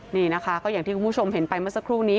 นี่นะคะก็อย่างที่คุณผู้ชมเห็นไปเมื่อสักครู่นี้